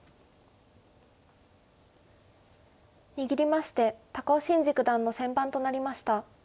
握りまして高尾紳路九段の先番となりました。